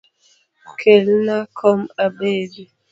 Kelna kom abedi.